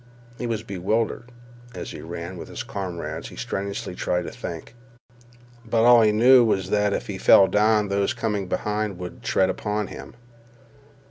He was bewildered. As he ran with his comrades he strenuously tried to think, but all he knew was that if he fell down those coming behind would tread upon him.